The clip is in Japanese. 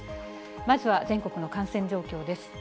まずは全国の感染状況です。